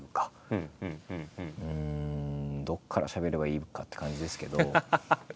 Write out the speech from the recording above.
うんどこからしゃべればいいのかって感じですけど。